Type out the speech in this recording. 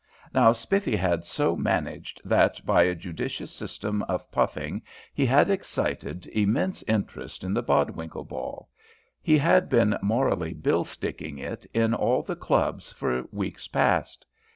Now Spiffy had so managed, that by a judicious system of puffing he had excited immense interest in the Bodwinkle ball he had been morally bill sticking it in all the clubs for weeks past.